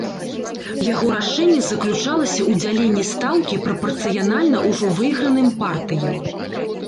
Яго рашэнне заключалася ў дзяленні стаўкі прапарцыянальна ўжо выйграным партыям.